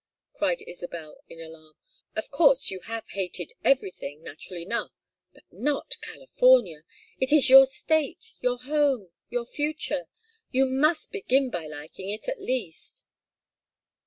cried Isabel, in alarm. "Of course you have hated everything natural enough but not California! It is your State, your home, your future. You must begin by liking it, at least."